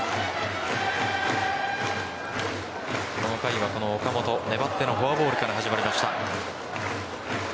この回はこの岡本粘ってのフォアボールから始まりました。